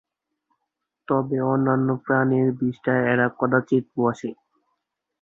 তবে অন্যান্য প্রানীর বিষ্ঠায় এরা কদাচিৎ বসে।